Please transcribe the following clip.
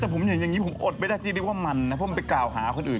แต่ผมเห็นอย่างนี้ผมอดไม่ได้ที่เรียกว่ามันนะเพราะมันไปกล่าวหาคนอื่น